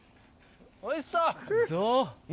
おいしそう。